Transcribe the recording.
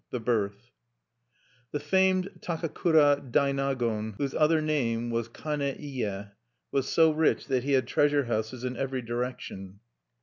THE BIRTH The famed Takakura Dainagon, whose other name was Kane ie, was so rich that he had treasure houses in every direction.